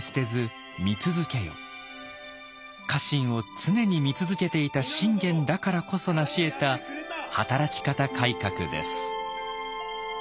家臣を常に見続けていた信玄だからこそ成しえた働き方改革です。